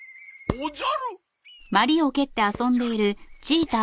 おじゃる。